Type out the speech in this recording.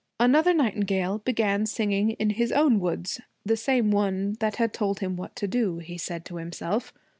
Another nightingale began singing in his own woods the same one that had told him what to do, he said to himself.